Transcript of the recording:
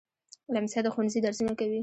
لمسی د ښوونځي درسونه کوي.